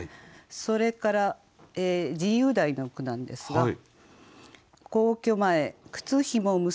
それから自由題の句なんですが。